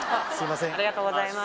ありがとうございます